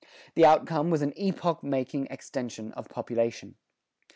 The outcome was an epoch making extension of population.